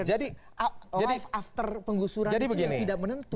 jadi life after penggusuran ini tidak menentu